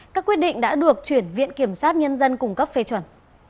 các quyết định đã được chuyển viện kiểm sát nhân dân cung cấp phê chuẩn